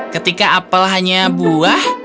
ketika apel hanya buah